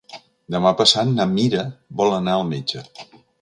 Demà passat na Mira vol anar al metge.